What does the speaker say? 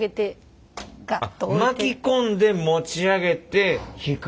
巻き込んで持ち上げて引く。